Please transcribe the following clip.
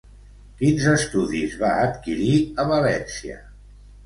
Quins estudis va adquirir a València?